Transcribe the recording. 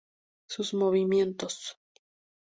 Sus movimientos.